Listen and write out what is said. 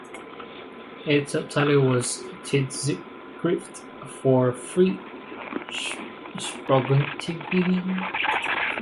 Its subtitle was "Tidsskrift for fri sprogutvikling".